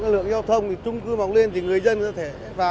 lượng giao thông thì trung cư mọc lên thì người dân có thể vào